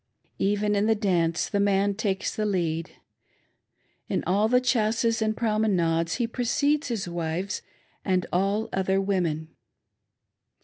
Even in the dance the man takes the lead. In all the.c/iasses and promenades he precedes his wives and all other women.